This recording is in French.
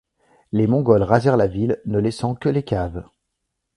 Les Mongols rasèrent la ville, ne laissant que les caves.